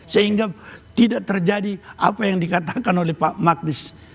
sehingga tidak terjadi apa yang dikatakan oleh pak magdis